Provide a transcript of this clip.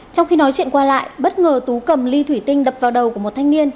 trong khi nói chuyện qua lại bất ngờ tú cầm ly thủy tinh đập vào đầu của một thanh niên